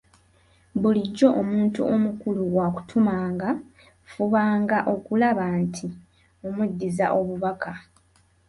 Bulijjo omuntu omukulu bw’akutumanga fubanga okulaba nti omuddiza obubaka.